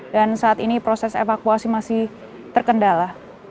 dan saat ini proses evakuasi masih terkendala